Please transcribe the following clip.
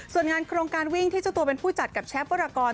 ส่วนงานโครงการวิ่งที่เจ้าตัวเป็นผู้จัดกับเชฟวรกร